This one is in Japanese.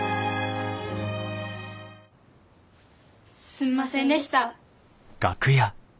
すんませんでした。